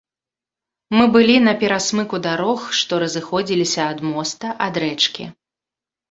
Мы былі на пярэсмыку дарог, што разыходзіліся ад моста, ад рэчкі.